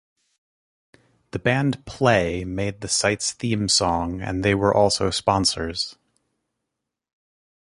The band Play made the site's theme song and they were also sponsors.